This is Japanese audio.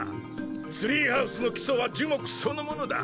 ツリーハウスの基礎は樹木そのものだ。